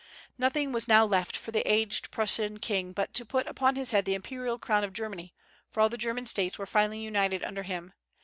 Nothing was now left for the aged Prussian king but to put upon his head the imperial crown of Germany, for all the German States were finally united under him.